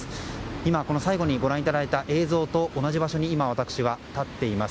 今、最後にご覧いただいた映像と同じ場所に私は立っています。